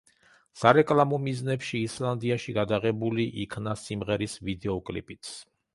სარეკლამო მიზნებში ისლანდიაში გადაღებული იქნა სიმღერის ვიდეოკლიპიც.